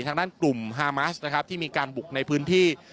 ทางด้านกลุ่มฮามาสนะครับที่มีการบุกในพื้นที่